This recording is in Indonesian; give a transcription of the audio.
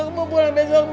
aku mau pulang besok banget